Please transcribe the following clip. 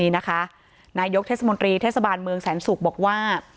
นายกเทศบาลเมืองแสนสุกฯบอกว่า